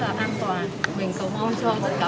rất là an toàn